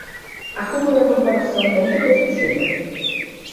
A cúpula da corporação não ficou satisfeita